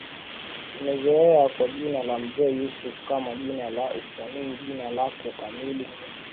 tumezoea kwa jina la Mzee Yusuf kama jina la usanii jina lako kamili